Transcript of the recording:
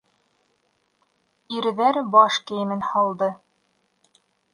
- Ирҙәр баш кейемен һалды.